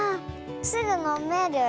すぐのめる？